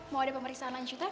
mau ada pemeriksaan lanjutan